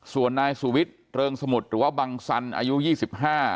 ส่วนนายสุวิทย์เริงสมุทรหรือว่าบังสันอายุยี่สิบห้า